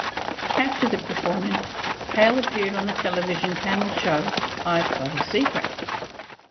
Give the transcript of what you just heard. After the performance Cale appeared on the television panel show "I've Got a Secret".